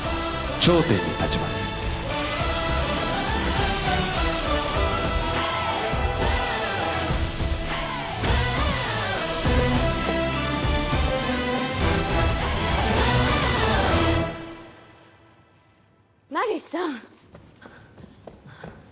頂点に立ちますマリさん！